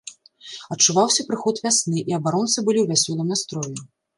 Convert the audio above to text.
Адчуваўся прыход вясны, і абаронцы былі ў вясёлым настроі.